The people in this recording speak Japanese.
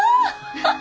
ハハハ！